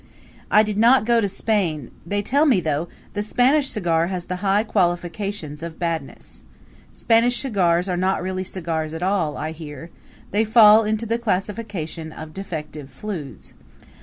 I did not go to Spain; they tell me, though, the Spanish cigar has the high qualifications of badness. Spanish cigars are not really cigars at all, I hear; they fall into the classification of defective flues.